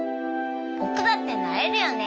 僕だってなれるよね？